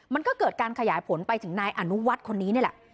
มันก็เกิดการขยายผลไปถึงนายอนุวัฒน์คนนี้นี่แหละ